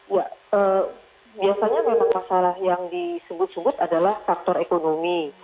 dan biasanya memang masalah yang disebut sebut adalah faktor ekonomi